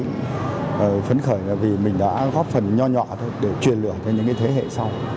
rất là phấn khởi là vì mình đã góp phần nho nhọa thôi để truyền lửa cho những thế hệ sau